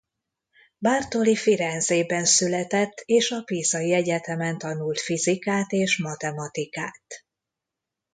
Bartoli Firenzében született és a pisai egyetemen tanult fizikát és matematikát.